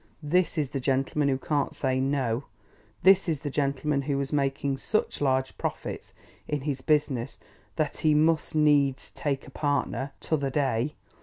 This is the gentleman who can't say no. This is the gentleman who was making such large profits in his business that he must needs take a partner, t'other day.